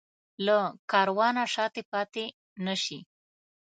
له کاروانه شاته پاتې نه شي.